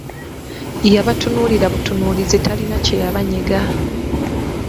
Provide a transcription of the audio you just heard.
Yabatunuulira butunuulizi talina kyeyabanyega.